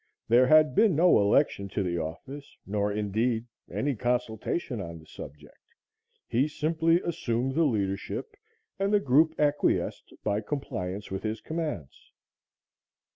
There had been no election to the office, nor, indeed, any consultation on the subject; he simply assumed the leadership and the group acquiesced by compliance with his commands.